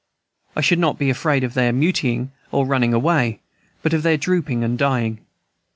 I should not be afraid of their mutinying or running away, but of their drooping and dying.